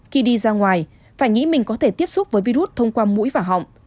khi đi ra ngoài phải nghĩ mình có thể tiếp xúc với virus thông qua mũi và họng